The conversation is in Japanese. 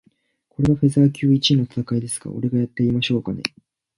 これがフェザー級一位の戦いですか？俺がやってやりましょうかね。